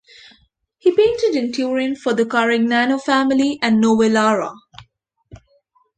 He painted in Turin for the Carignano family and Novellara.